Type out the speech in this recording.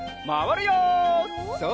まわるよ！